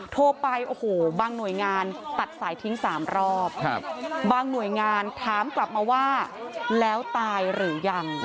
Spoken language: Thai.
โทรไปโอ้โหบางหน่วยงานตัดสายทิ้ง๓รอบบางหน่วยงานถามกลับมาว่าแล้วตายหรือยัง